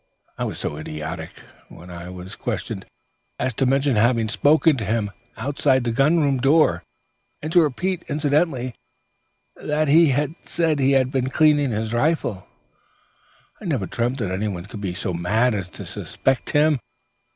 I was so idiotic, when I was questioned, as to mention having spoken to him outside the gun room door, and to repeat, incidentally, that he had said he had been cleaning his rifle. I never dreamt that anyone could be so mad as to suspect him.